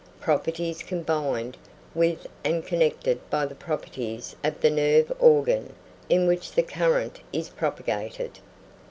properties combined with and connected by the properties of the nerve organ in which the current is propagated.